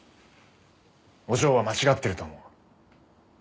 お嬢は間違ってると思う。